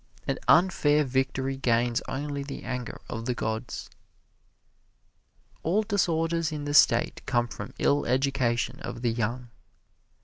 An unfair victory gains only the anger of the gods. All disorders in the State come from ill education of the young.